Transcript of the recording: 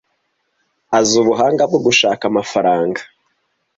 Azi ubuhanga bwo gushaka amafaranga.